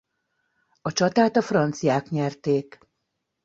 A csatát a franciák nyerték.